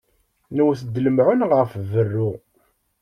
Newwet-d lemɛun ɣef berru.